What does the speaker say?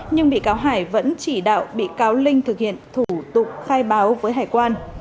nhưng bị cáo hải vẫn chỉ đạo bị cáo linh thực hiện thủ tục khai báo với hải quan